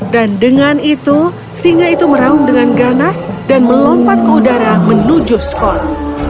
dan dengan itu singa itu meraung dengan ganas dan melompat ke udara menuju skor